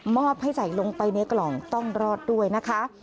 อบให้ใส่ลงไปในกล่องต้องรอดด้วยนะคะ